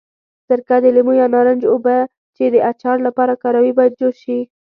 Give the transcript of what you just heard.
سرکه، د لیمو یا نارنج اوبه چې د اچار لپاره کاروي باید جوش شي.